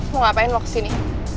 mau ngapain lo kesini